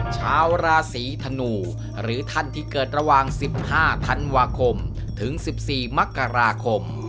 ชาวราศีธนูหรือท่านที่เกิดระหว่าง๑๕ธันวาคมถึง๑๔มกราคม